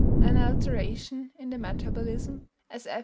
"An alteration in the metabolism," as F.